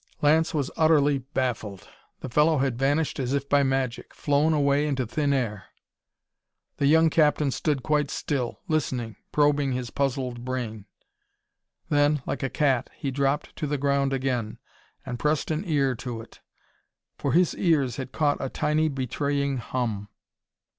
Lance was utterly baffled. The fellow had vanished as if by magic. Flown away into thin air! The young captain stood quite still, listening, probing his puzzled brain. Then, like a cat, he dropped to the ground again, and pressed an ear to it. For his ears had caught a tiny betraying hum.